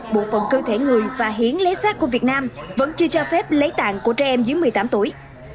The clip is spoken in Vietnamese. bộ phận cơ thể người và hiến lấy sát của việt nam vẫn chưa cho phép lấy tạng của trẻ em dưới một mươi tám tuổi